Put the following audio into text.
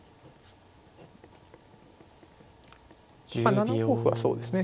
７五歩はそうですね